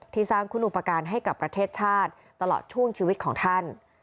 สร้างคุณอุปการณ์ให้กับประเทศชาติตลอดช่วงชีวิตของท่าน